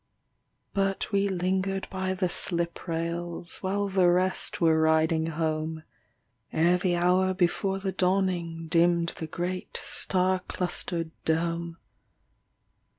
But we lingered by the slip rails While the rest were riding home, Ere the hour before the dawning, Dimmed the great star clustered dome.